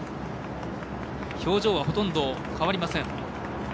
表情はほとんど変わりません。